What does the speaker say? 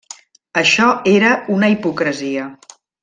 Això era una hipocresia.